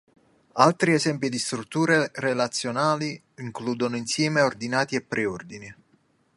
Altri esempi di strutture relazionali includono insiemi ordinati e preordini.